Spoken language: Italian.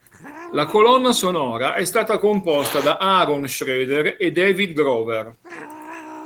La colonna sonora è stata composta da Aaron Schroeder e David Grover.